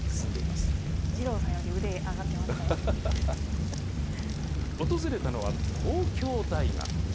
二郎さんより腕、上がってま訪れたのは東京大学。